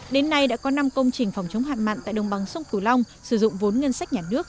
đến nay đã có năm công trình phòng chống hạn mặn tại đồng bằng sông cửu long sử dụng vốn ngân sách nhà nước